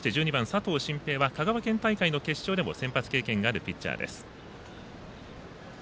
そして、１２番佐藤晋平は香川県決勝の試合でも先発の経験のあるピッチャーです。